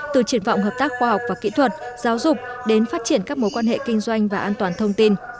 từ triển vọng hợp tác khoa học và kỹ thuật giáo dục đến phát triển các mối quan hệ kinh doanh và an toàn thông tin